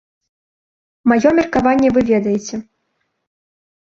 Маё меркаванне вы ведаеце.